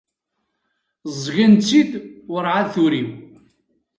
Ẓẓgen-tt-id urɛad turiw.